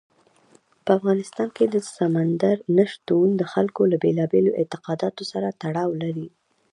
په افغانستان کې سمندر نه شتون د خلکو له بېلابېلو اعتقاداتو سره تړاو لري.